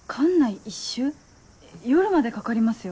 夜までかかりますよ。